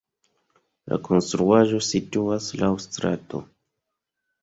La konstruaĵo situas laŭ strato.